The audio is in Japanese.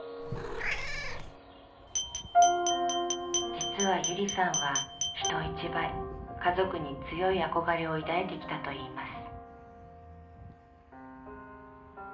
実はゆりさんは人一倍家族に強い憧れを抱いてきたといいます。